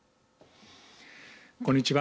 こんにちは。